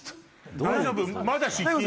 大丈夫？